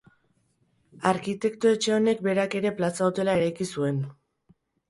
Arkitekto etxe honek berak ere Plaza Hotela eraiki zuen.